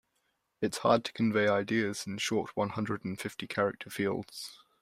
It's hard to convey ideas in short one hundred and fifty character fields.